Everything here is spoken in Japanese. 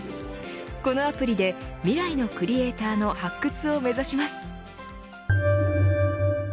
このアプリで未来のクリエイターの発掘を目指します。